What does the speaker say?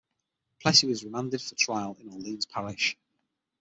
Plessy was remanded for trial in Orleans Parish.